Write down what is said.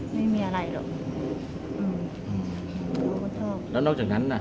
ไม่มีอะไรหรอกอืมเขาก็ชอบแล้วนอกจากนั้นน่ะ